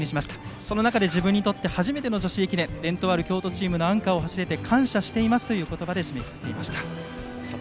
その中で自分にとって初めての女子駅伝伝統ある京都チームのアンカーを走れて感謝していますという言葉で締めくくっていました。